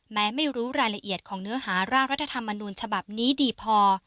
ไม่รู้รายละเอียดของเนื้อหาร่างรัฐธรรมนูญฉบับนี้ดีพอ